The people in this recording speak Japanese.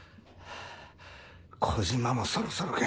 小島もそろそろか。